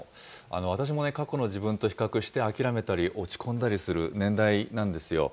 私もね、過去の自分と比較して、諦めたり落ち込んだりする年代なんですよ。